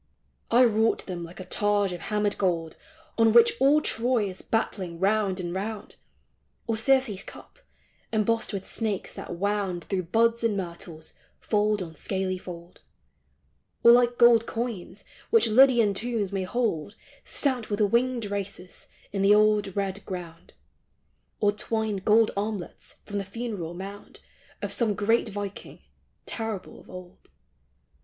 I wrought them like a targe of hammered gold On which all Ti^ is battling round and round ; Or Circe's cup, embossed with snakes that wound Through buds and myrtles, fold on scaly fold ; Or like gold coins, which Lydian tombs may hold Stamped with winged racers, in the old red ground ; Or twined gold armlets from the funeral mound Of some great viking, terrible of old.